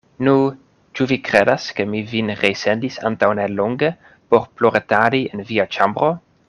Nu, ĉu vi kredas, ke mi vin resendis antaŭ nelonge por ploretadi en via ĉambro?